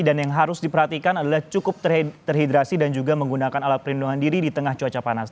dan yang harus diperhatikan adalah cukup terhidrasi dan juga menggunakan alat perlindungan diri di tengah cuaca panas